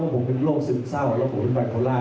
ว่าผมเป็นโลกซึ้งเศร้าและผมเป็นแบบคนล่า